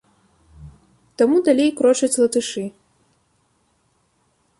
Таму далей крочаць латышы.